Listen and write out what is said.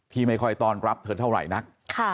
ไม่ค่อยต้อนรับเธอเท่าไหร่นัก